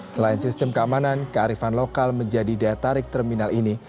selain sistem keamanan kearifan lokal menjadi daya tarik terminal ini